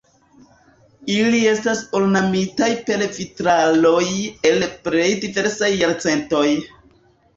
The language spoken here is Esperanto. Ili estas ornamitaj per vitraloj el plej diversaj jarcentoj.